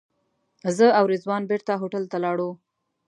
زه او رضوان بېرته هوټل ته لاړو.